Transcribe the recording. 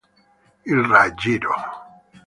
Il raggiro".